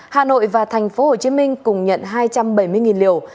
hà nội và tp hcm cùng nhận hai trăm bảy mươi liều